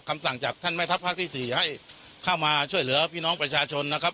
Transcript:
สั่งจากท่านแม่ทัพภาคที่สี่ให้เข้ามาช่วยเหลือพี่น้องประชาชนนะครับ